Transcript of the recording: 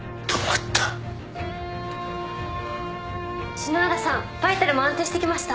篠原さんバイタルも安定してきました